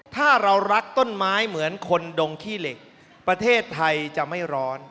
ถ้าเรารักต้นไม้เหมือนคนดงขี้เหล็กประเทศไทยจะไม่ร้อน